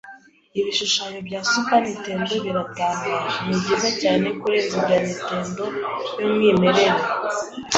Ibishushanyo bya Super Nintendo biratangaje. Nibyiza cyane kurenza ibya Nintendo yumwimerere.